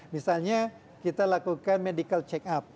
misalnya kita lakukan medical check up